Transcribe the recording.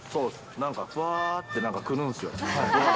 なんか、ふわーってなんか来るんですよ。